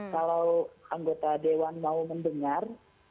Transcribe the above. kalau anggota dewan mau mendengar